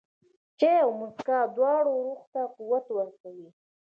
چای او موسکا، دواړه روح ته قوت ورکوي.